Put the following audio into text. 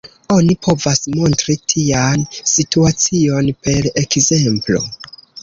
Oni povas montri tian situacion per ekzemplo.